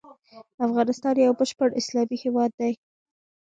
افغانستان يو بشپړ اسلامي هيواد دی.